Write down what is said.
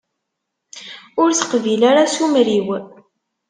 Ur teqbil ara asumer-iw.